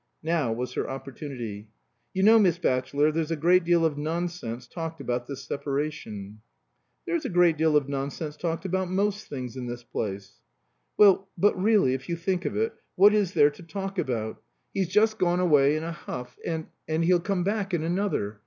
(Now was her opportunity.) "You know, Miss Batchelor, there's a great deal of nonsense talked about this separation." "There's a great deal of nonsense talked about most things in this place." "Well but really, if you think of it, what is there to talk about? He's just gone away in a huff, and and he'll come back in another.